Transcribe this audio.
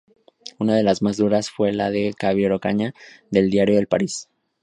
Una de las más duras fue la de Javier Ocaña, del diario "El País".